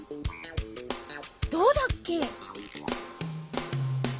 どうだっけ？